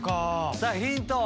さぁヒント！